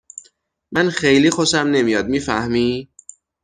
من خیلی خوشم نمیاد می فهمی؟